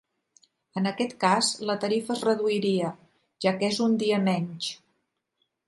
En aquest cas, la tarifa es reduiria, ja que és un dia menys.